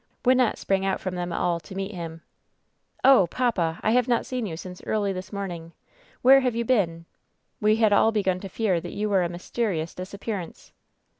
^Wynnette sprang out from them all to meet him. "Oh ! papa, I have not seen you since early this morn ing. 'Where have you been ? We had all begun to fear that you were a ^mysterious disappearance'